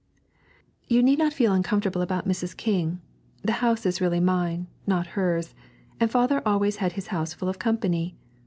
'You need not feel uncomfortable about Mrs. King; the house is really mine, not hers, and father always had his house full of company.